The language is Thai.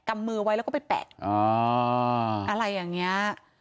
ำมือไว้แล้วก็ไปแปะอะไรอย่างนี้